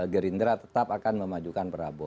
gerindra tetap akan memajukan prabowo